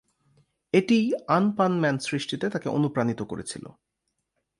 এটিই"আনপানম্যান" সৃষ্টিতে তাকে অনুপ্রাণিত করেছিল।